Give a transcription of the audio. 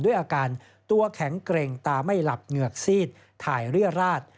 ด้วยอาการตัวแข็งเกร็งตาไม่หลับเหงือกซีดถ่ายเรียราช